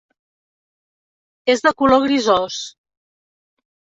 És de color grisós.